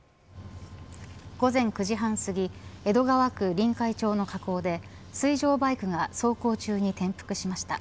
午前９時半すぎ江戸川区臨海町の河口で水上バイクが走行中に転覆しました。